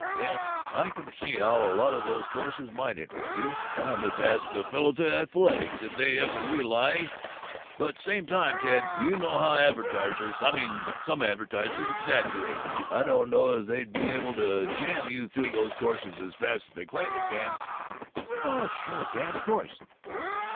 Yes, I can see how a lot of these courses might interest you. I must ask the fellows at the Athletic if they ever realized But same time, Ted, you know how advertisers, I means some advertisers, exaggerate. I don't know as they'd be able to jam you through these courses as fast as they claim they can." "Oh sure, Dad; of course."